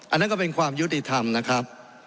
อันนั้นก็เป็นความยุติธรรมนะครับ